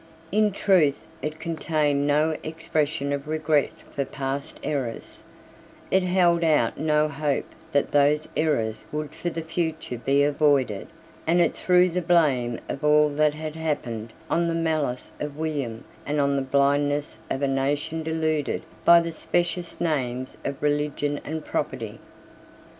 In truth it contained no expression of regret for pass errors; it held out no hope that those errors would for the future be avoided; and it threw the blame of all that had happened on the malice of William and on the blindness of a nation deluded by the specious names of religion and property.